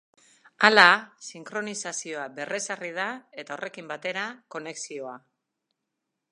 Hala, sinkronizazioa berrezarri da eta horrekin batera, konexioa.